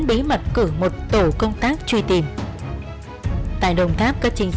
ba bé con thì bàn hạt rồi